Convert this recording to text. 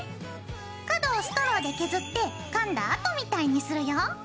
角をストローで削ってかんだ跡みたいにするよ。